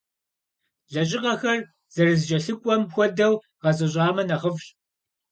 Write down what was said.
Лэжьыгъэхэр зэрызэкӏэлъыкӏуэм хуэдэу гъэзэщӏамэ нэхъыфӏщ.